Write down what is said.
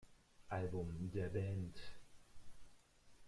Album der Band.